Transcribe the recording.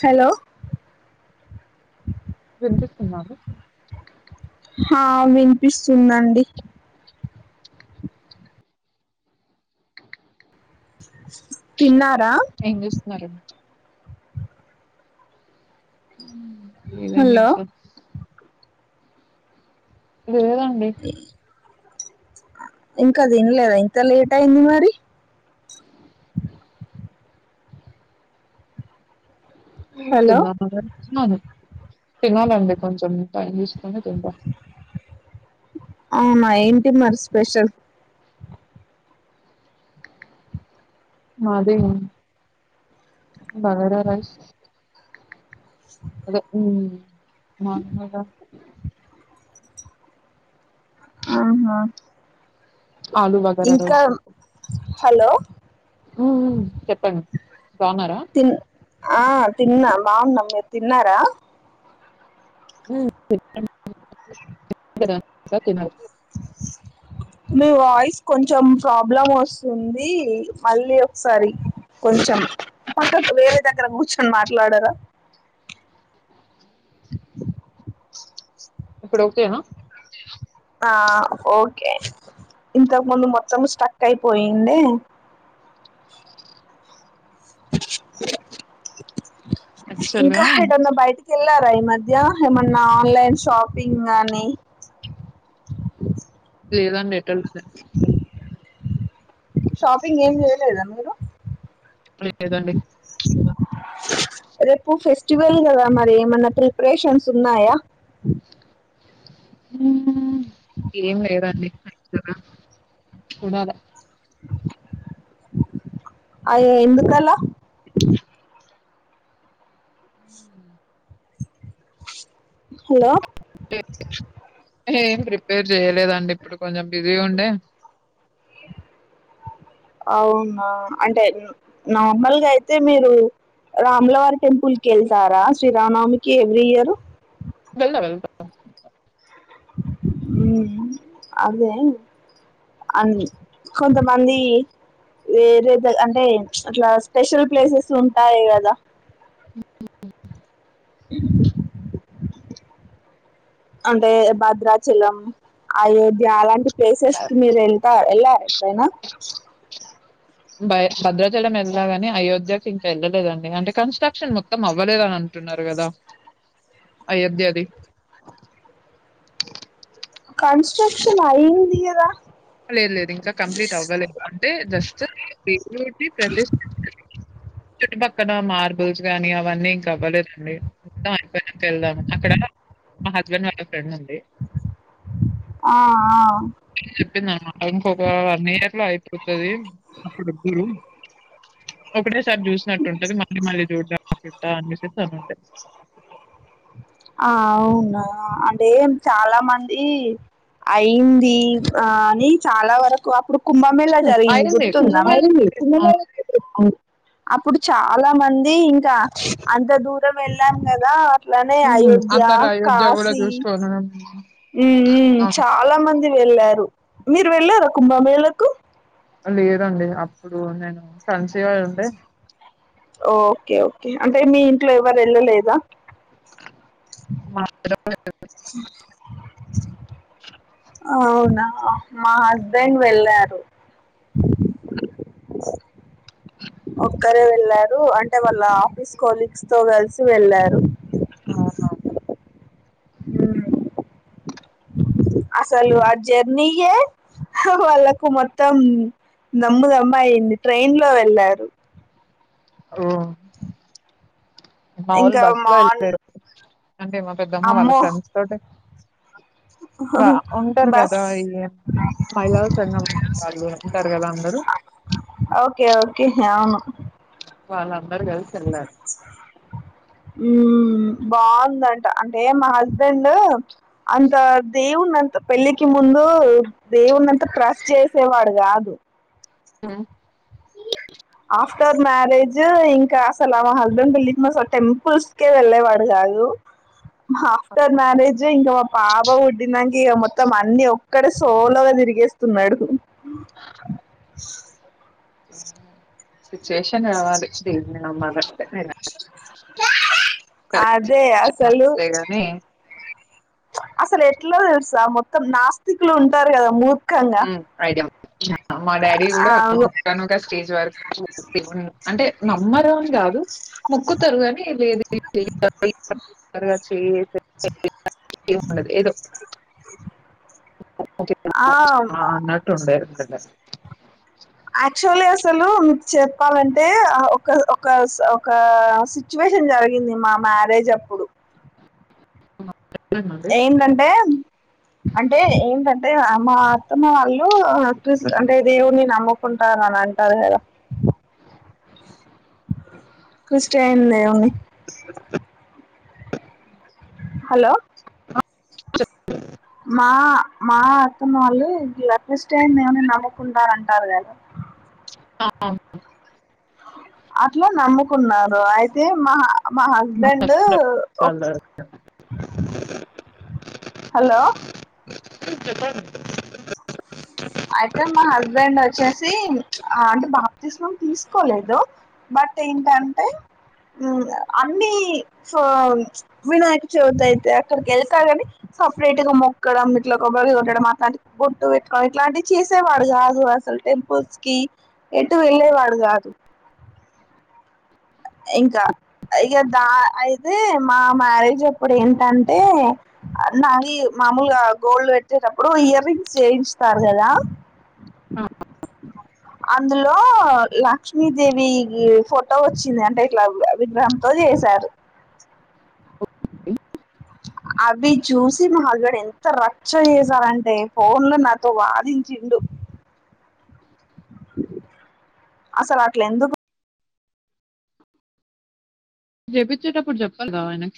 Hello ఇనిపిస్తుందా అండి హా వినిపిస్తుందండి తిన్నా ఏంజెస్తున్నారు మ్ లేదండి హలో ఇంక లేదండి ఇంకా తినలేదా ఇంత లేట్ అయింది మరి ఉం హలో తిన్నానుగా న్నారు తినాలి అండి కొంచెం టైమ్ తీసుకొని తింటా అవునా ఏంటి మరి స్పెషల్ మాదే బాగారా రైస్ అదే ఉం మన్నగా ఆవ్నా ఆలూ బాగారా రైస్ హలో చెప్పండి బాగున్నారా తిన్ ఆ తిన్నా బాగున్నమ్ మీర్ తిన్నారా [inaudible] మీ వాయిస్ కొంచెం ప్రాబ్లం ఓస్తుంది మళ్ళీ ఒకసారి కొంచెం పక్కకు వేరే దగ్గర కూర్చొని మాట్లాడరా ఇప్పుడ ఓకే నా ఆ ఓకే ఇంతకు ముందు మొత్తము స్ట్రక్ అయిపోయింది యాక్చువల్ గా ఇంకా ఎటన్న బైటిక్ కెళ్లారా ఈ మధ్య ఏమన్నా ఆన్లైన్ షాపింగాని లేదాండి ఎటు ఎల్తలే షాపింగ్ ఏం చేయలేదా మీరు లేదండి రేపు ఫెస్టివల్ గదా మరి ఏమన్నా ప్రిపరేషన్స్ ఉన్నాయా ఏం లేదండి పెద్దగా చూడాల అయ్యో ఎందుకాల స్ హలో ఏం ప్రిపేర్ చెయలేదండి ఇప్పుడు కొంచెం బిజీగుండే అ అవునా అంటే నార్మల్గా అయితే మీరు రామ్లవారి టెంపుల్ కేళ్తారా శ్రీరామనవమికి ఎవ్రీ ఇయరు వెళ్దాం ఎల్తా ఉమ్ అదే అన్ కొంతమంది వేరే ద అంటే అట్లా స్పెషల్ ప్లేసెస్లుంటాయి గదా అ అంటే భద్రాచలం అయోధ్య అలాంటి ప్లేసెస్ కి మీరు ఎల్త ఎల్లారా ఎప్పుడైనా భ భద్రాచలం ఎల్నాగాని అయోధ్యకు ఇంకా వెళ్ళలేదండి అంటే కన్స్ట్రాక్షన్ మొ త్తం అవ్వలేదని అంటున్నారు గదా అయోధ్యది కన్స్ట్రక్షన్ ఐందిగదా లేదు లేదు ఇంకా కంప్లీట్ అవ్వలేదు అంటే జస్ట్ ఇంకోటి ప్రతిష్ట కానే చుట్టుపక్కన మార్బుల్స్ గానీ అవన్నీ ఇంక అవ్వలేదండి మొత్తం అయిపోయినంక వెళ్దాం అక్కడ మా హస్బెండ్ వాళ్ళ ఫ్రెండ్ ఉంది ఆ ఆ చెప్పిందానమాట ఇంకొక వనియర్లో అయిపోతది అప్పుడద్దురు ఒకటే సార్ జూసినట్టు ఉంటది మళ్ళీ మళ్ళీ చూడ్డ చుట్ట అనిసేసీ అని ఉండే ఆ అవ్నా అదేం చాలా మంది అయింది ఆ అని చాలా వరకు అప్పుడు కుభామేలా జర్గింది అయింది గుర్తున్దా కుంభమేళ ఆ మి అప్పుడు చాలా మంది ఇంకా అంత దూరం వెళ్ళాం కదా అట్ల కని హ్మ్. అయోద్ధ్య అందరూ అయోధ్య గూడా కాశీ చూసుకోను ఉ ఉ అవును. చాలా మంది వేళ్ళారు మీరు వెళ్ళారా కుంభమేళకు లేదండి అప్పుడు నేను కన్సీవై ఉండే ఓకే ఓకే అంటే మీ ఇంట్లో ఎవరు వెళ్ళలేదా ఆ వెళ్ళలేదు అవ్నా మా హస్బెండ్ వెళ్ళారు ఒక్కరే వెళ్ళారు అంటే వాళ్ళ ఆఫీస్ కొలీగ్స్తో కలిసి వెళ్ళారు ఆహా ఉమ్ అసలు ఆ జర్నీ ఏ వాళ్ళకు మొత్తం దమ్ముదమ్మ అయింది ట్రైన్లో వెళ్లారు ఓ మా వాళ్ళు ఇంకా బస్లో మాన్ వెళ్లారు అంటే మ పెద్దమ్మా వాళ్ళ అమ్మో ఫ్రెండ్స్ తోటి ఉంటారు బస్ కదా ఈ మహిళల సంఘం వాళ్ళు ఉంటారు కదా అందరూ ఓకే ఓకే అవ్ను వాళ్ళందరు కలిసి ఎళ్లారు ఊ మ్ బాగుందంట అంటే మా హస్బెండూ అంత దేవునంత పెళ్ళికి ముందు ఊ దేవునంత ట్రస్ చేసేవాడు కాదు ఆ ఆఫ్టర్ మ్యారేజూ ఇంకా అసలు ఆ మా హస్బెండ్ పెళ్లింగ్ అసలు టెంపుల్స్కే వెళ్ళేవాడు కాదు ఆఫ్టర్ మ్యారేజూ ఇంకా మ పాప పుట్టిందానికి ఇగ మొత్తం అన్ని ఒక్కడే సోలోగా దిరిగేస్తున్నాడు ఆహ్ ఆహ్ సిట్యువేషన్ రావాలి దేన్నీ నమ్మలంటే అదే కరక్టే గాని అసలేట్లో తెల్సా మొత్తం నాస్తికులుంటారు కదా మూ ఉ ఐడియా ఉంది మా డాడీ ఆ! కూడా ఒకానొక స్టేజ్ వరకు దేవున్ని అంటే నమ్మరు అని కాదు మొక్కుతారు గానీ లేదు [unintelligible] ఎం ఉండదు ఏదో ఓకే ఆ అన్నటుండేది యాక్చువలి అసలు మీకు చెప్పాలంటే ఒక ఒక స ఒక సిచ్చువే యేషన్ జరిగింది మా మ్యారేజప్పుడు ఏంటంటే అంటే ఏంటంటే మా అత్తమ్మ వాళ్ళు ఆ చుసి అంటే దేవుణ్ని నమ్ముకుంటారని అంటారు కదా క్రిస్టియన్ దేవున్నీ హలో చెప్పు మా మా అత్తమ్మ వాళ్ళు ఇట్లా క్రిస్టియన్ దేవుడిని నమ్ముకుంటారు అంటారు కదా అవును అట్లా నమ్ముకున్నారు అయితే మా మా హస్బెండ్ ఒ హలో ఉ చెప్పండి అయితే మా హస్బెండ్ వచ్చేసి అంటే బాప్తీస్మం తీసుకోలేదు బట్ ఏంటంటే హ్మ్ అని సో వినాయక చవితి అయితే అక్కడికి వెళ్తేరని సపరేట్ గా మొక్కడం ఇట్లా కొబారికాయి కొట్టడం అట్లాంటి బొట్టు వెట్టుకొని ఇట్లాంటివి చేసేవాడు కాదు అసలు టెంపుల్స్ కి ఎటు వెళ్ళే వాడు కాదు ఇంగ అయితే ఇక దా అయితే మా మ్యారేజ్ ఇప్పుడు ఏంటంటే నాది మామూలుగా గోల్డ్ పెట్టేటప్పుడు ఇయర్ రింగ్స్ చేయించుతారు కదా అందులో లో లక్ష్మీదేవి ఫోటో వచ్చిందం అంటే ఇట్లా ఆ విగ్రహం తొ చేశారు ఓకే అవి చూసి మావారు ఎంత రచ్చ చేసారంటే ఫోన్ లో నాతో వాదించి డు అసలు అట్ల ఎందుకు చేపించేటపుడు చేపద ఆయనకి